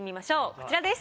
こちらです。